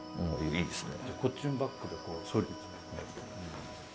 いいですね。